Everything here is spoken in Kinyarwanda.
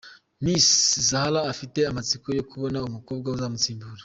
Miss Zahara afite amatsiko yo kubona umukobwa uzamusimbura.